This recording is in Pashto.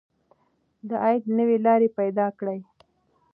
د عاید نوې لارې پیدا کړئ.